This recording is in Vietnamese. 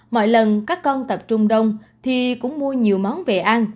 mọi lần các con tập trung đông thì cũng mua nhiều món về ăn